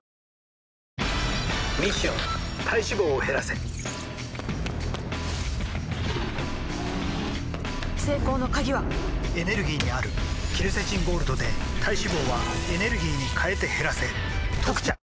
ミッション体脂肪を減らせ成功の鍵はエネルギーにあるケルセチンゴールドで体脂肪はエネルギーに変えて減らせ「特茶」